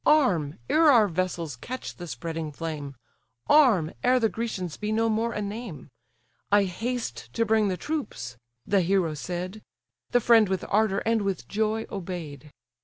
Arm, ere our vessels catch the spreading flame; Arm, ere the Grecians be no more a name; I haste to bring the troops."—The hero said; The friend with ardour and with joy obey'd.